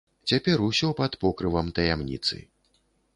Цяпер усё пад покрывам таямніцы.